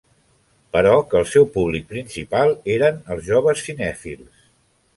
Però que el seu públic principal eren els joves cinèfils.